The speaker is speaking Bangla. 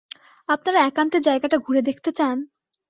আপনারা একান্তে জায়গাটা ঘুরে দেখতে চান?